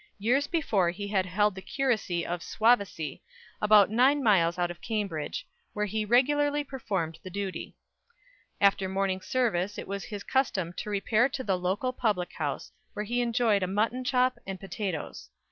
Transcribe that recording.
Years before he had held the curacy of Swavesey, about nine miles out of Cambridge, where he regularly performed the duty. After morning service it was his custom to repair to the local public house where he enjoyed a mutton chop and potatoes.